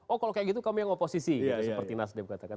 oh kalau kayak gitu kami yang oposisi gitu seperti nasdem katakan